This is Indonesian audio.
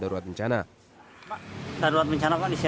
jadi alasan memperpanjang masa tangkap darurat bencana